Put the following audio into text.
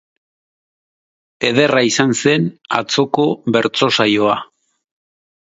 Ederra izan zen atzoko bertso saioa